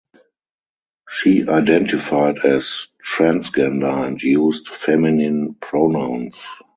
She identified as transgender and used feminine pronouns.